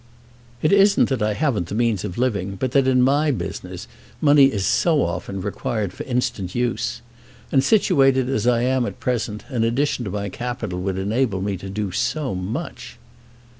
"It isn't that I haven't the means of living, but that in my business money is so often required for instant use. And situated as I am at present an addition to my capital would enable me to do so much!"